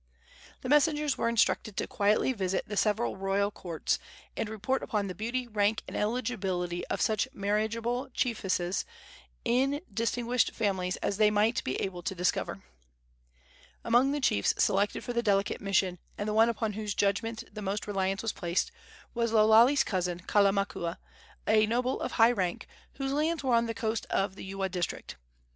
The messengers were instructed to quietly visit the several royal courts, and report upon the beauty, rank and eligibility of such marriageable chiefesses of distinguished families as they might be able to discover. Among the chiefs selected for the delicate mission, and the one upon whose judgment the most reliance was placed, was Lo Lale's cousin, Kalamakua, a noble of high rank, whose lands were on the coast of the Ewa district.